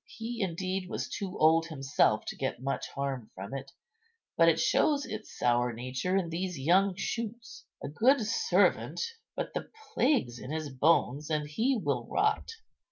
He indeed was too old himself to get much harm from it; but it shows its sour nature in these young shoots. A good servant, but the plague's in his bones, and he will rot."